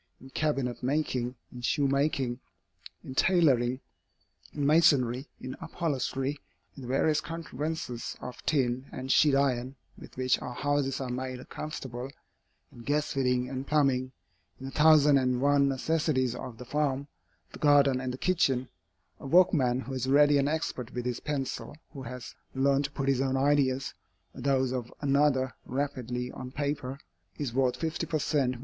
In cabinet making, in shoe making, in tailoring, in masonry, in upholstery, in the various contrivances of tin and sheet iron with which our houses are made comfortable, in gas fitting and plumbing, in the thousand and one necessities of the farm, the garden, and the kitchen, a workman who is ready and expert with his pencil, who has learned to put his own ideas, or those of another, rapidly on paper, is worth fifty per cent.